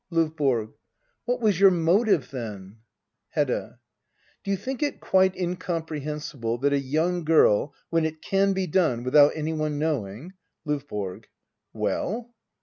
L&VBORO. What was your motive, then } Hedda. Do you think it quite incomprehensible that a young girl — when it can be done — without any one knowing L5VBORO. Well.?